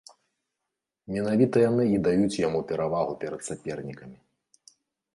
Менавіта яны і даюць яму перавагу перад сапернікамі.